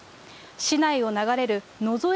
市内を流れるのぞえ